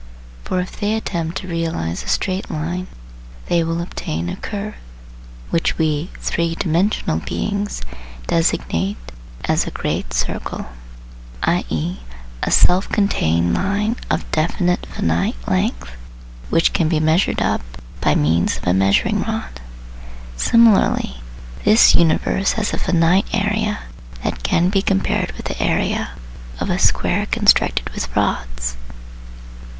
For if they attempt to realise a straight line, they will obtain a curve, which we " three dimensional beings " designate as a great circle, i.e. a self contained line of definite finite length, which can be measured up by means of a measuring rod. Similarly, this universe has a finite area that can be compared with the area, of a square constructed with rods.